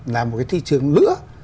là một cái thị trường lửa